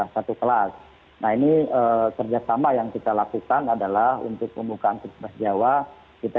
satu kelas nah ini kerjasama yang kita lakukan adalah untuk pembukaan tugas jawa kita